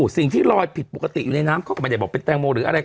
ลอยผิดปกติอยู่ในน้ำเขาก็ไม่ได้บอกเป็นแตงโมหรืออะไร